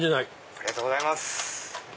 ありがとうございます！